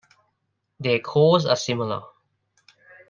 Their calls are similar.